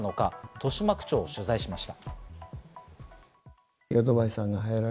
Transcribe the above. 豊島区長を取材しました。